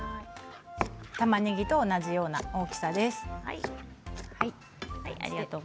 たまねぎと同じような大きさです。